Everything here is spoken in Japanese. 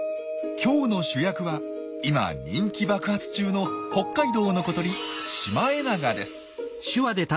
今日の主役は今人気爆発中の北海道の小鳥シマエナガです。